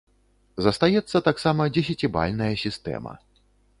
Застаецца таксама дзесяцібальная сістэма.